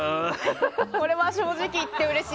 これは正直言ってうれしい。